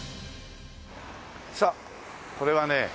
さあこれはね